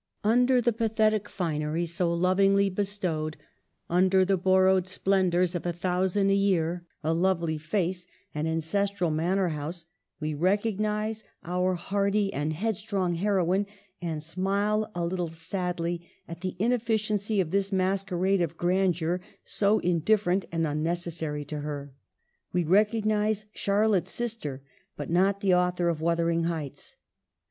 Under the pathetic finery so lovingly bestowed, under the borrowed splendors of a thousand a year, a lovely face, an ancestral manor house, we recognize our hardy and head strong heroine, and smile a little sadly at the inefficiency of this masquerade of grandeur, so indifferent and unnecessary to her. We recog nize Charlotte's sister, but not the author of 'Wuthering Heights.'